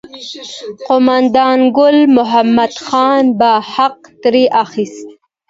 قوماندان ګل محمد خان به حق ترې اخیست.